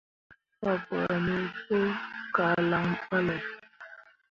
Fabaa me pu kah lan ɓale.